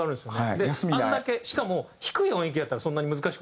であんだけしかも低い音域やったらそんなに難しくないんですね。